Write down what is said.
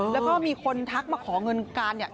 แล้วก็มีคนทักมาขอเงินการเนี่ย